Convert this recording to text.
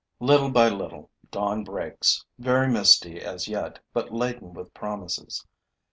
Little by little, dawn breaks, very misty as yet, but laden with promises.